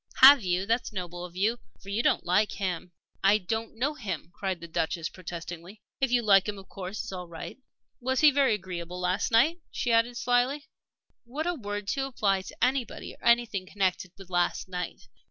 "Have you? That's noble of you for you don't like him." "I don't know him!" cried the Duchess, protesting. "If you like him of course it's all right. Was he was he very agreeable last night?" she added, slyly. "What a word to apply to anybody or anything connected with last night!"